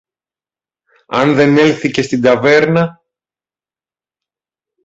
αν δεν έλθει και στην ταβέρνα;